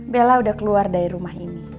bella udah keluar dari rumah ini